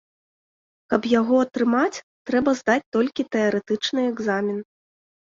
Каб яго атрымаць, трэба здаць толькі тэарэтычны экзамен.